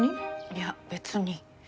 いや別に？